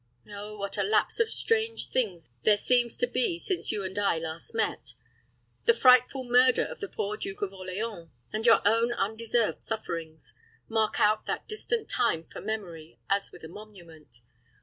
Oh, what a lapse of strange things there seems to be since you and I last met! The frightful murder of the poor Duke of Orleans, and your own undeserved sufferings, mark out that distant time for memory as with a monument.